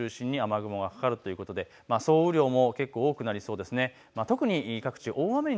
午後も関東を中心に雨雲がかかるということで総雨量も結構、多くなりそうです。